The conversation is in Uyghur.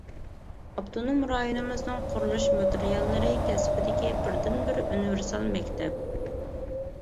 ئاپتونوم رايونىمىزنىڭ قۇرۇلۇش ماتېرىياللىرى كەسپىدىكى بىردىنبىر ئۇنىۋېرسال مەكتەپ.